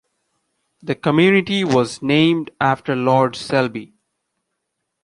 The community was named after Lord Selby.